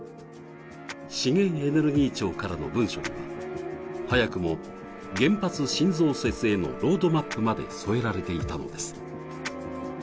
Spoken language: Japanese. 資源エネルギー庁からの文書には早くも原発新増設へのロードマップまで添えられていたのです。